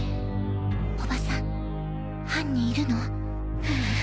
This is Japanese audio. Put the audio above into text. おばさん犯人いるの？